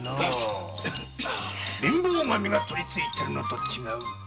貧乏神がとりついておるのと違うか？